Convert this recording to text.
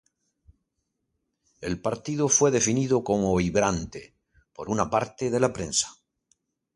El partido fue definido como vibrante por una parte de la prensa.